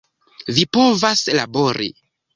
Vi povas labori!